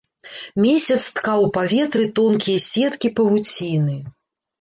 Месяц ткаў у паветры тонкія сеткі павуціны.